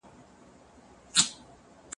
د ماشوم د غاښونو پاکول مه هېروئ.